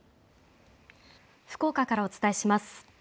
福岡からお伝えします。